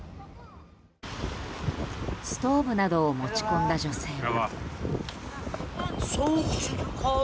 ストーブなどを持ち込んだ女性は。